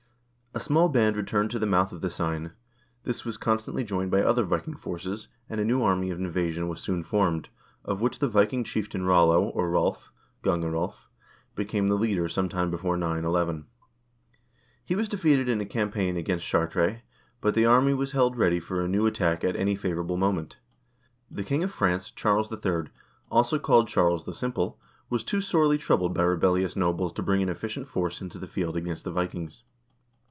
A small band returned to the mouth of the Seine ; this was constantly joined by other Viking forces, and a new army of invasion was soon formed, of which the Viking chieftain Rollo, or Rolv (Gange Rolv), became the leader some time before 911. He was defeated in a campaign against Chartres, but the army was held ready for a new attack at any favorable moment. The king of France, Charles III., also called Charles the Simple, was too sorely troubled by rebellious nobles to bring an efficient force into the field against the Vikings.